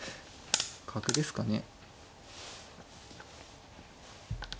角ですかね。